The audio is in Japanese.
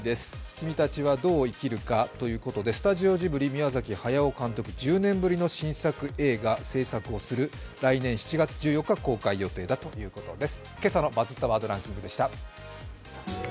「君たちはどう生きるか」ということで、スタジオジブリ、宮崎駿監督１０年ぶりの映画製作をする、来年７月１４日公開予定だということです。